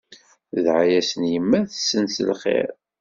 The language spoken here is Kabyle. Tedɛa-yasen yemma-tsen s lxir.